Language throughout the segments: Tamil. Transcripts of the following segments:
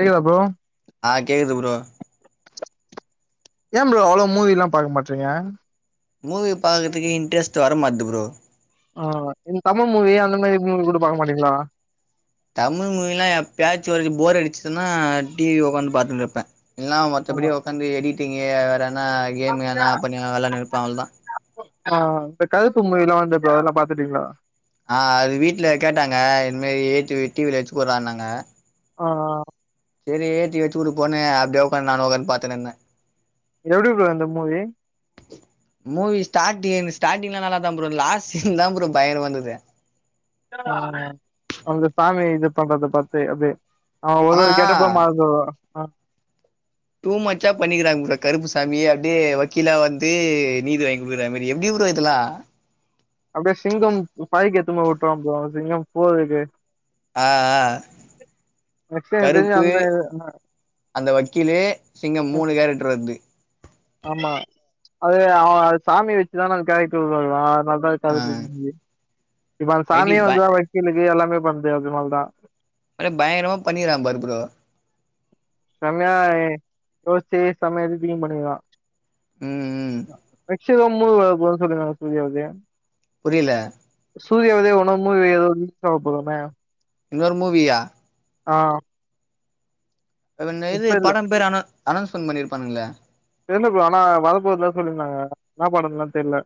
கேக்குதா ப்ரோ அ கேக்குது ப்ரோ ஏ ப்ரோ அவ்ளோ மூவீலா பாக்க மாட்றீங்க மூவி பாக்கறதுக்கே இன்ட்ரெஸ்டு வர மாட்டுது ப்ரோ அ இந்த தமிழ் மூவி அந்த மேரி மூவி கூட பாக்க மாட்டீங்ளா தமிழ் மூவீலா எப்பையாச்சு ஒரு போர் அடிச்சுதுன்னா டிவி ஒக்காந்து பாத்துன் இருப்பே இல்லனா ஆ மத்தபடி ஒக்காந்து எடிட்டிங்கி வேறனா கேம் எனா பண்ணி வெளானு இருப்பே அவள்தா அ இப்ப கருப்பு மூவிலா வந்துப்ப அதெல்லா பாத்துட்டீங்ளா அ அது வீட்ல கேட்டாங்க இது மேரி ஏத்து டிவில வச்சு குறான்னாங்க அ அ செரி ஏத்தி வச்சு குடுப்போனு அப்டே உக்காந்து நானு உக்காந்து பாத்துனு இருந்தே எப்டி ப்ரோ அந்த மூவி மூவி ஸ்டார்டி ஸ்டார்ட்டிங்லா நல்லாதா ப்ரோ லாஸ்ட் சீன்தா ப்ரோ பயங்கரமா இருந்துது அ அந்த சாமி இது பண்றத பாத்து அப்டி அ ஒருத ஆனா கெட்டப்லா மாறுதோ டூ மச்சா பண்ணிக்கிறாங்க ப்ரோ கருப்புசாமியே அப்டியே வக்கீலா வந்து நீதி வாங்கி குடுக்கிறா மாரி எப்டி ப்ரோ இதெல்லா அப்டியே சிங்கம் பைக்கு எடுத்துனு போயி ஓட்டுவா பாரு சிங்கம் போறதுக்கு அ அ மேக்ஸி எனக்கு தெரிஞ்ச அந்த நா அந்த வக்கீலு சிங்க மூணு கேரக்டர் வருது ஆமா அது அவ அது சாமி வச்சுதான அது கேரக்டர் வருவா ஆ [unintelligible] இவ எடி சாமியே ப வந்துதா வக்கீலு எல்லாமே பன்து அதுனால்தா பயங்கரமா பண்ணிறா பாரு ப்ரோ செமையா யோசிச்சி சமையதில் பண்ணிருவா ம் ம் [unintelligible] புரியல சூர்ய உதயம் ஆகும் போது ஏதோ ரீஸ் ஆக போதாம இன்னொரு மூவியா ஆஹ் இது வந்து படம் பேரு அ அனௌன்ஸ்மெண்ட் பண்ணியிருப்பானுங்களா தெர்ல ப்ரோ ஆனா வரப்போதுல்லா சொல்லிருந்தாங்க என்ன படம்னு தான் தெரியல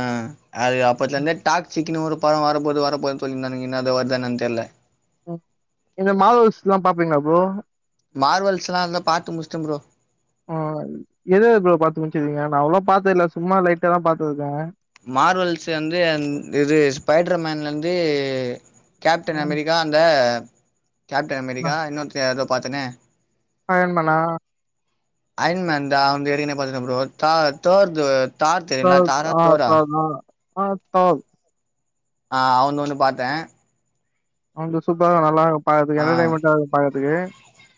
ஆஹ் அது அப்பத்துல இருந்தே டாக் சிக்குனு ஒரு படம் வரபோது வரபோது ஸோ இன்னான்னுக்கு அது வருதா என்னனு தெரியல ம் இந்த மாடோஸ் எல்லாம் பாப்பீங்களா ப்ரோ மார்வெல்ஸ் எல்லாம் அதெல்லா பாத்து முடிச்சுட்ட ப்ரோ ஆஹ் எத எத ப்ரோ பாத்து முடிச்சுருக்கிங்க நா அவ்வளவா பாத்து இல்ல சும்மா லைட்டா தான் பா்த்ததுருக்கேன் மார்வெல்ஸ் வந்து அந் இது ஸ்பைடர்மன்ல இருந்து கேப்டன் அமெரிக்கா அந்த கேப்டன் அமெரிக்கா இன்னோன்த்த ஏதோ பாத்தனே அயன்மேனா அயன் மேன்தா அந்த ஏரின பாத்தனா ப்ரோ த தோர்து தார் த தெரியுல தாரா ஆஹ் தோரா த ஆஹ் ஆஹ் த [unintelligible] ஆஹ் அவன்து ஒண்ணு பாத்தேன் அவந்து சூப்பரா நல்லாருக்கும் பாக்றதுக்கு ஆ என்டர்டென்மெண்டா இருக்கும் பாக்றதுக்கு இருக்கு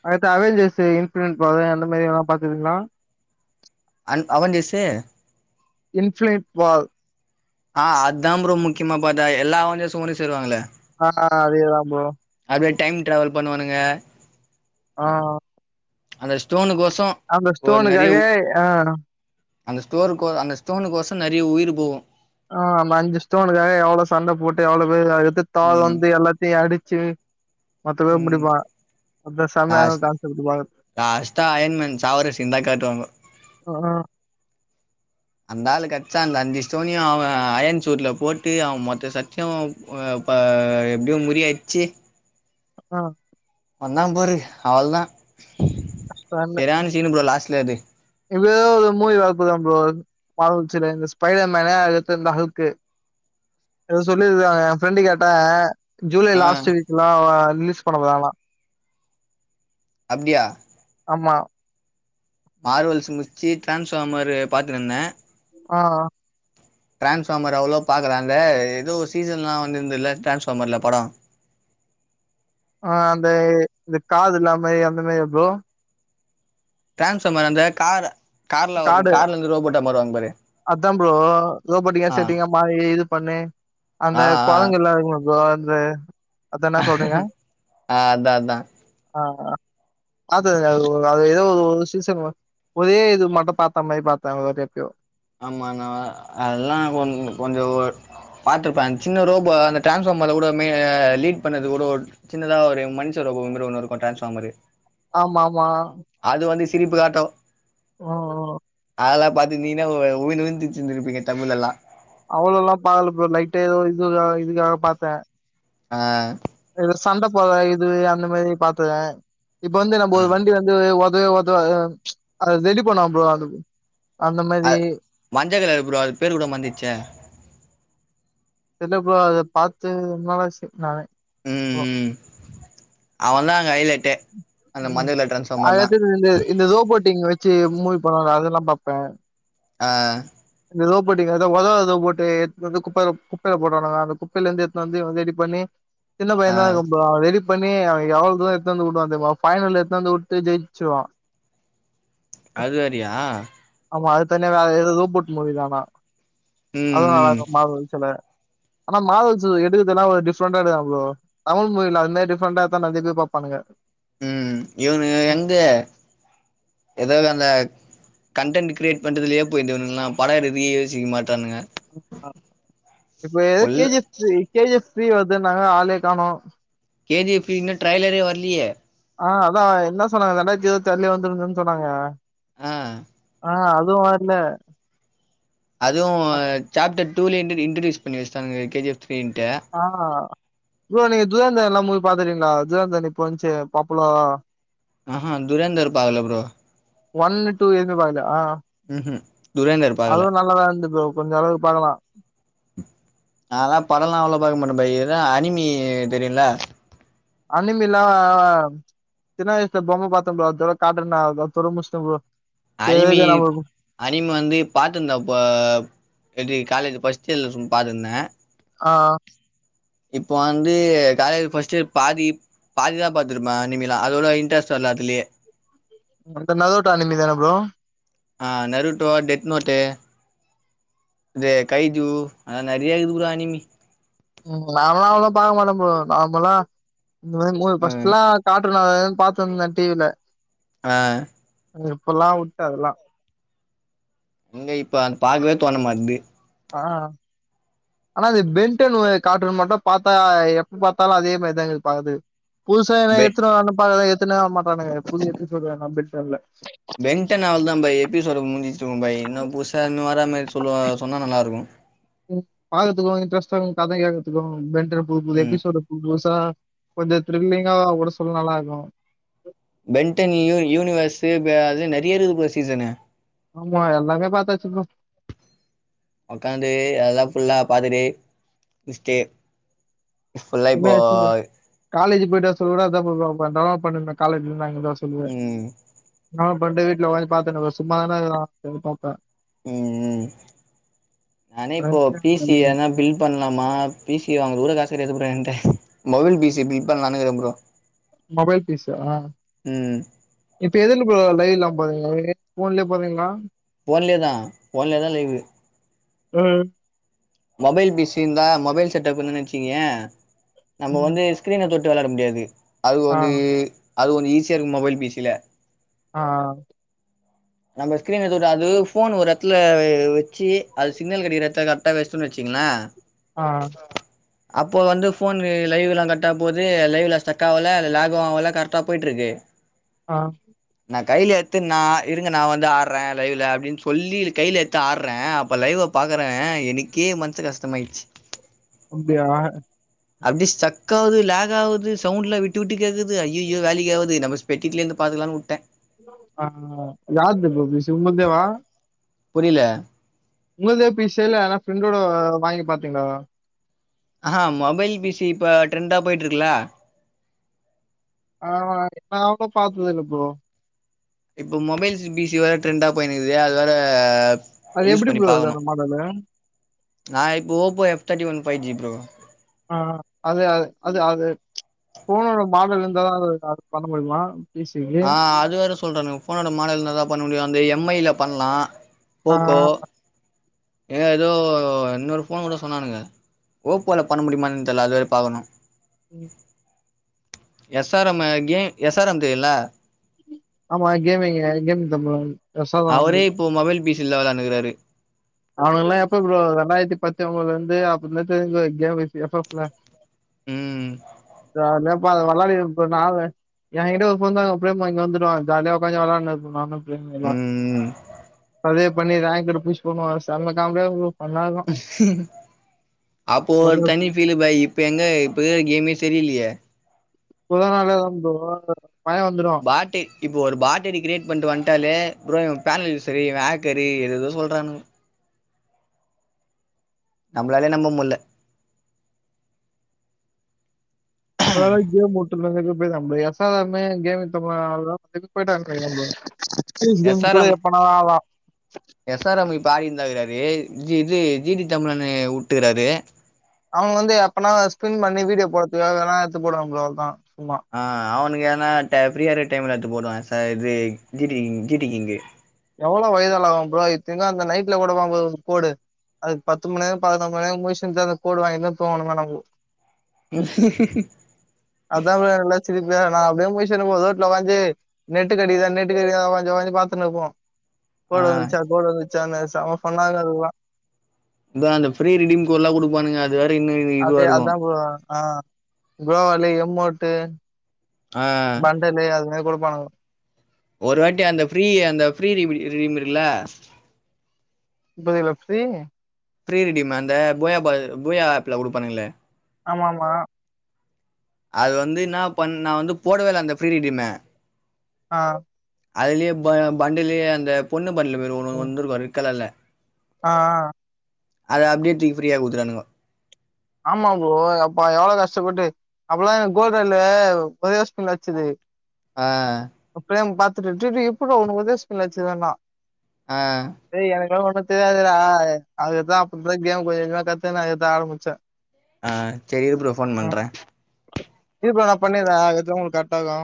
அடுத்து அவன்ஜர்ஸ் இன்ஃப்லுயஸ் அந்த மாதிரி எல்லாம் பாத்துருக்கிங்களா [unintelligible] அன் அவன்ஜர்ஸூ இன்ஃப்ளையன்ட் பால் ஆஹ் அதான் ப்ரோ முக்கியமா பாத்தே எல்லா அவஞ்ஜர்ஸும் ஒன்னு சேருவாங்களே ஆஹ் ஆஹ் அதேதான் ப்ரோ அப்டியே டைம் ட்ராவல் பண்ணுவானுங்க ஆஹ் அந்த ஸ்டோனு கோஸ் அந்த ஸ்டோனுக்காக ஆஹ் அந்த ஸ்டோரு கோ அந்த ஸ்டோனுக் கோச நெறைய உயிர் போகும் ஆஹ் ஆமா அந்த ஸ்டோனுக்காக எவ்ளோ சண்ட போட்டு எவ்ளோ பேரு ஆ எதித்தாலும் வந்து எல்லாத்தையும் அடிச் ச்சு மொத்ததையும் முடிப்பா அதா செமையான லாஸ் கான்செப்ட் பா லாஸ்டா அயன் மேன் சாவுற சீன்தா காட்டுவாங்க ஆஹா அந்த ஆளு கிடச்சா அந்த அஞ்சு ஸ்டோனையும் அவன் அயன் சூட்ல போட்டு அவன் மொத்த சத்தியம் அப்ப எப்டியும் முறி அடிச்சி ஆஹ் வந்தான் பாரு அவ்ளோதான் சரியான சீனு ப்ரோ லாஸ்ட்ல அது இப்ப ஏதோ ஒரு மூவி வரப் போதா ப்ரோ நம்ள வாழ்ச்சியில இந்த ஸ்பைடர்மேனா அடுத்து இந்த ஹல்க்கு [inaudible] ஏதோ சொல்லிருக்காங்க என் ஃப்ரெண்டு கேட்ட ஜூலை ஆ லாஸ்ட் வீக் தான் ரிலீஸ் பண்ண போறாங்களா அப்டியா ஆமா மார்வெல்ஸ் முடிச்சு டிரான்ஸ்ஃபார்மர் பாத்துனுருந்தேன் ஆஹ் ட்ரான்ஸ்ஃபார்மர் அவ்ளோவா பாக்கல அந்த ஏதோ ஒரு சீசன் லாம் வந்திருந்துதுல டிரான்ஸ்ஃபார்மர்ல படம் [inaudible] ஆஹ் அந்த இந்த காது இல்லாம அந்த மாதிரியா ப்ரோ டரான்ஸ்ஃபார்மர் அந்த கார் கார்ல கார்டு வரும் கார்லருந்து ரோபோட்டு வருவாங்க பாரு அதா ப்ரோ ரோபோட்டிங்கா ஆ செட்டிங்கா மாறி இது பண்ணு அந்த ஆ குரங்குலா ஆ இருக்குமே ப்ரோ அந்த அதா என்ன சொல்றீங்க ஆ அதா அதா ஆ ஆ அது அது ஏதோ ஒரு சீசன் ஒரே இது மட்டு பாத்தா மாரி பாத்தாங்க ஒரு எப்பியோ ஆமா நா அதெல்லா கொ கொஞ்ச பார்த்திருப்பேன் அந்த சின்ன ரோபோ அந்த டிரான்ஸ்ஃபார்மர்ல கூட மெ லீ்ட் பண்ணது கூட சின்னதா ஒரு மனுஷர் அப்ரோங்க ப்ரோ இன்னுருக்கு டிரான்ஸ்ஃபார்மர்ரு ஆமா ஆமா அது வந்து சிரிப்பு காட்டு ஓ ஓ அதெல்லா பாத்துரிந்தீங்கனா உழ்ந்து உழுந்து சிருச்சிருப்பீங்க தமிழ்லலா அவ்ளோலா பாக்கல ப்ரோ லைட்டு ஏதோ இதுவுக்கா இதுக்காக பாத்தே ஆ இ சண்ட போழை இது அந்த மாரி பாத்துதே இப்ப வந்து நம்ம வண்டி வந்து அ ஒதாவது அ ரெடி பண்ணா ப்ரோ அது அந்த அ மாரி மஞ்சகலரு ப்ரோ அது பேரு கூட மறந்துச்சு தெல்லப் ப்ரோ அத பாத்தே ரொம்ப நாளாச்சு நானே ம் அ ம் அவன் தா அங்க ஹைலைட் ம் அ இந்த இந்த ரோபோட்டிங்க வச்சு பா அததுல்லா பாப்பே ஆ இந்த ரோபோட்டங்க ஏ உதவாத ரோபோட்டு எடுத்துனு வந்து குப்பை குப்பையில போட்டுனாங்க அந்த குப்பையிலிருந்து எத்துனு வந்து ரெடி பண்ணி சின்ன ஆ பையன தா இருக்கும் ப்ரோ அவ ரெடி பண்ணி அவ எவ்வள தூ எடுத்தந்து விடுவான் பைனல்ல எத்தந்து விட்டு ஜெயிச்சுவா அது வறியா தனிய வேற எதுது ரோபோட் மூவி தானா ம் அத ம் நல் மாச்சில ஆனா மாதவன் சார் எடுக்கதுலா ஒரு டிஃப்ரண்டா எடுக்காங்க ப்ரோ தமிழ் மொழில அது மாதி டிஃப்ரெண்டா தா நரைய எதிர் பாப்பா ணுங்க ம் இவனு எங்க எதாது அந்த கண்டென்ட் கரியேட் பண்றதுலயே போய்து இதுங்கலா படோ எடுக்குதே யோசிக்க மாட் இப்பத ஏதோ full K G F three K G F தீவது நாங்க ஆலயே காணோ கே ஜி ஃப் ட்ரையலறே வரலயே ஆ அதா என்ன சொன்னாங்க ரெண்டாயிரதி இருவதாறுலயே வந்திருந்ததுன்னு சொன்னாங்க ஆ ஆ அதுவு வரல அதுவு சாப்டர் டூல இன்ருடூஸ் இன்ட்ரோடியூஸ் பண்ணி வச்ச கே ஜி எப் ஆ நீங்க ஜுதேந்தர்ல்லா மூவி பாத்துட்டீங்களா ஜுதேந்தன் இப்போ வந்துச்சே பாப்பல ஆஹா துரேந்தர் பாக்கல ப்ரோ ஒன்னு டூ எது பாக்கலய ஆ ம் ம் அதுவு நல்லாதா இருந்து ப்ரோ கொஞ்ச அளவுக்கு பாக்கலா அதா படல்லா அவ்வளோ பாக்க மாட்டே பபாய் ஏத அனிமி தெரியுல அனிமிலா சின்னவயசுல பொம்மை பாத்தன் ப்ரோ அதோட கார்ட்டூன் அத்தோட முஷ்டேன் ப்ரோ அனிமி சேரி நம்ம அனிமி வந்து பாத்திருந்தாப்ப எது காலேஜ் பஸ் சல் சும் பாதுந்தே ஆ இப்ப வந்து காலேஜ் ஃபர்ஸ்ட் இயர் பாதி பாதிதா பாத்துருப்ப அனிம எல்லா அத்வளவு இன்டரஸ்ட் வரல அதுலயே அந்த நறுட்டோ அனிமி தானப்ரோ ஆ நருட்டோ டெத் மோட்டே இது கைது ஆ நரியாகுது ப்ரோ அனிமி ம் நாலாம் அவளாம் பாக்க மாட்டே ப்ரோ நார்மலா இந்த மாதிரி மூவி ஆ பர்ஸ்ட்லா காட்டூன் லா பாத்திருந்தே டிவில ஆ இப்பெல்லா உட்ட அதெல்லா எங்க இப்ப அ பாக்கவே தோணுமாட்டிது ஆ ஆனா அது பென்னடென் காட்டுன் மட்டும் பாத்தா எப்ப பாத்தாலு அதே மாதிரிதா இருக்கு பாக்ருதுக்கு புதுசா என பென் எத்தனுவர்னு பாக்குறே எத்துனே வரமாட்டானுங்க புது எபிசொட் பென்டென்ல பென்டன் அவ்ளதா பாய் எபிசோடு முடிஞ்சிச்சுருக்கும் பாய் இன்னு புதுசா இன்னு வரா மாரி சொல்லுவா சொன்னா நல்லா இருக்கு பாக்கத்துக்கோ இன்டரெஸ்ட்டா கதைகேக்கத்துகு பென்டென் புது புது ம் எபிசோடு புது புதுசா கொஞ்ச த்ரில்லிங்கா கூட சொல்ல நல்லா இருக்கு பென்டன் யு யூனிவர்ஸ்ஸு அது நறைய இருதுக்குற சீசனு ஆமா எல்லாமே பாத்தாச்சு ப்ரோ ஓக்காந்து அதெல்லா ஃபுல்லா பாத்துட்டு முச்சுட்டு ஃபுல்லா இப்போ இப்ப கூட அதா ப்ரோ பாக்க போற டவண்லோட் பண்ட்ருந்த காலேஜ் ல அங்கிருந்த ம் [unintelligible] பிரண்ட வீட்ல உக்காந்து பாத்துட்டு சும்மா தானே இருக்ரோ [unintelligible] ம் ம் நானே இப்போ பீசி எதுனா பில் பண்லாமா பி சி வாங்க கூட காசு கெடையாது ப்ரோ என்கிட்ட மொபைல் பி சி ப்ப [unintelligible] ப்ரோ மொபைல் பி சி ஆ ம் இப்ப எதுல ப்ரோ லைவ் லா போன்லயே போட்றிங்களா போன்லேயேதா போன்லயதா லைவு ஆ மொபைல் பிசி இருந்தா மொபைல் செட் அப் இருந்துச்சிதா வச்சீங்க நம்ம ம். வந்து ஸ்கிரீன தொட் டு வெளாட முடியாது அது ஆ, வந்து அது ஈஸியா இருக்கு மொபைல் பிசில ஆ ஆ நம்ம ஸ்கீரின் அது போன் ஒரு எத்துல வெச்சு அது சிக்னல் கடைக்குற எத்துல கரெக்டா வெச்சு என்ன ஆ அப்போ வந்து போன் லைவ் எல்லாம் கரெக்ட போது லைவ்ல ஸ்டக் ஆகல லாகும் ஆகல கரக்டா போயிட்டுருக்கு ஆ நா கையில்ல எத்து நா இருங்க நா வந்து ஆட்றே லைவ்ல அப்டின்னு சொல்லி கையில எத்து ஆட்றே அப்ப லைவ பாக்றே எனக்கே மனசு கஷ்டமாய்டுய்ச்சு அப்டியா அப்டி ஸ்டக் ஆகுது லேக் ஆகுது சவுண்ட்லா விட்டு விட்டு கேட்க்குது ஐயையோ வேலைக்காகது நம்ம [unintelligible] இருந்து பா த்துக்லானு விட்டே ஆ யார்து ப்ரோ பி சி உங்க இதுவேவா புரில உங்கள்த பிசி இல்லன்னா ஃப்ரெண்டோட வாங்கி பாத்தீங்களா ஆ மொபைல் பிசி இப்ப ட்ரெண்டா போயிட்டு இருக்குல ஆ ந அவளதா பாத்ததுல்லு ப்ரோ இப்போ மொபைல்ஸ் பிசி வரை ட்ரெண்டா போயின்ருக்குது அது வேர அது யூஸ் எப்டி பண்ணி ப்ரோ இருக்கு பாக்கணு அந்த மாடலு? ந இப்போ ஓப்போ எப் thirty one five G bro ஆ அது அ அது அது போனோட மாடல் இருந்தாதா அது அது பண்ண முடியுமா பீஸுக்கு? அ அது வேற சொல்றாங்க ஃபோனோட மாடல் இருந்தாதா பண்ண முடியு அந்த எம் ஐ ல பண்லா ஆ போக்கோ ஏ ஏதோ இன்னொரு ஃபோன் கூட சொன்னானுங்க ஓப்போல பண்ண முடியமானு தெர்ல அது வேர பாக்கணு ம் S R M game S R M தெரியுல ஆமா gaming gaming [unintelligible] S R M தில்லா வெனாண்ருக்றாரு அவுனுங்கலா எப்ப ப்ரோ ரெண்டாயிரத்தி பத்து ஒன்பதுலருந்து அவங்க வந்து [unintelligible] ம் ஜாலியா அப்ப அத வெளடாடி இருப்பே நா என்கிட்ட ஒருத்த வந்தாங்க அப்டியே இங்க வந்துருவாங் ஜாலியா ஒக்காந்தி வெளாண்ருப்போ நானு ம் அதே பண்ணி நாயங்கிட்ட புடுச்சு போனுவம்ம காம்ப அஹ அப்போ ஒரு தனி ஃபீலு பாய் இப்ப எங்க இப்ப கேமே சரியில்லியே புது [unintelligible] ப்ரோ பய வந்ருவா பாட்டு இப்போ ஒரு பாட்டரி க்ரியேட் பண்ட்டு வன்ட்டாலே ப்ரோ பேனல் சரி இவ ஆக்டரு ஏதேதோ சொல்றானுங் நம்ளாலே நம்ப முட்ல அ [unintelligible] [unintelligible] எஸ் ஆர் எம்மே கேமிங் [unintelligible] [unintelligible] எஸ் கேம் ஆர் கூட எம் எப்பனா வா [unintelligible] ஜி டி தமிழ் அண்ணே உட்டுகிறாரு அவுங் வந்து எப்பனா எஸ்டென் பண்ணி வீடியோ போட்றதுக்காக எதுனா எடுத்து போடுவா ப்ரோ அவ்ளோதா அ அவன் இவனுங்க எதுனா ஃபீரியா இருக்க டைம்ல எடுத்து போடுவா சரி கீடிங் கீட்டிகிங்கு அவ்ளோ வயதெல்லா ப்ரோ ஐ திங் அந்த நைட்ல கூட [unintelligible] கோடு அதுக் பத்து மண்நேர பதினொறு மண்நேர முழிச்சிருந்து அந்த கோடு வாங்கினுதா தூங்கணுதா நமக்கு அதாமே எல்லா சிரிப்பே நா அப்டியே முழிச்சினுருப்போ ரோட்ல ஒக்காஞ்சி நெட்டு கெடைக்குதா நெட்டு கெடைக்கிதா ஒக்காஞ்சி ஒக்காஞ்சி பாத்துனு இருப்போ ஆ கோடு வந்துருச்சா கோடு வந்துருச்சானு செம்ம ஃபன்னா இருக்கு அதுக்குலா இதோ அந்த ஃப்ரீ ரிடிம் கோட்லா குடுப்பானுங்க அது வேற இன்னு இதுவா அதே இருக்கு அதா ப்ரோ ஆ கோவாலி எம்மோட்டு ஆ பண்டலு அது மேரி குடுப்பானுங்கோ ஒரு வாட்டி அந்த ஃப்ரீ அந்த ஃப்ரீ ரீமிடி ரிடிம் இருக்குல்ல புரில ஃப்ரீ ஃப்ரீ ரிடிமு அந்த போயா ப போயா ஆப்ல குடுப்பானுங்ளே ஆமாமா அது வந்து இன்னா பண் நா வந்து போடவே இல்ல அந்த ஃப்ரீ ரிடிம அ அதுலயே ப பண்டுல்லயே அந்த பொண்ணு பண்ட்ல வெறு ஒனு வந்துருக்கு ரெட் கலர்ல அ அ அத அப்டியே தூக்கி ஃப்ரீயா குடுத்துடானுங்கோ ஆமா ப்ரோ அப்ப எவ்ளோ கஷ்டப்பட்டு அப்பல்லா எனக்கு [unintelligible] வச்சுது அ ப்ளேம் பாத்துட்டு டே டேய் எப்புரா ஒன்னு ஒரே ஸ்கீரின்ல வச்சிர்ரனா ஆ இப்ப தெரியாதுடா அதுக்குதா அப்பப்ப கேம் கொஞ்ச கொஞ்சமா கத்துனு நேத்து ஆரம்பிச்சே அ சரி இரு ப்ரோ ஃபோன் பண்றே இரு ப்ரோ நா பண்ணிறே அதுதா உங்களுக்கு கரெட்டா இருக்கு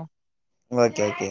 ஓகே ஓகே